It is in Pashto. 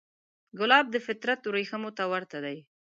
ګلاب د فطرت وریښمو ته ورته دی.